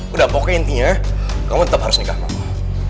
udah pokoknya intinya kamu tetep harus nikah sama aku